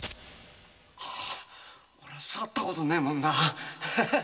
俺は触ったことねえもんな。